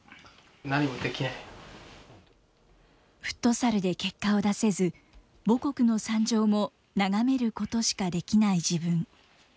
フットサルで結果を出せず、母国の惨状も眺めることしかできない自分。